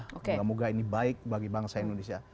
semoga moga ini baik bagi bangsa indonesia